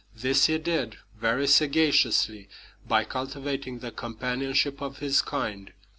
This he did, very sagaciously, by cultivating the companionship of his kind.